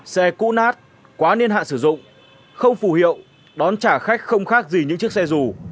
xe cũ nát quá niên hạn sử dụng không phù hiệu đón trả khách không khác gì những chiếc xe dù